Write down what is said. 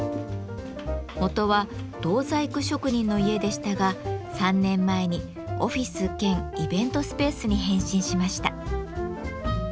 元は銅細工職人の家でしたが３年前にオフィス兼イベントスペースに変身しました。